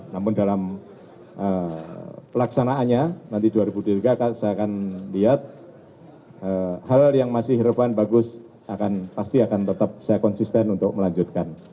namun dalam pelaksanaannya nanti dua ribu dua puluh tiga saya akan lihat hal yang masih relevan bagus pasti akan tetap saya konsisten untuk melanjutkan